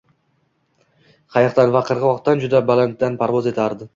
qayiqdan va qirg‘oqdan juda balandda parvoz etardi.